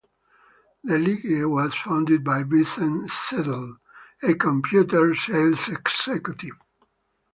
The league was founded by Vincent Sette, a computer sales executive.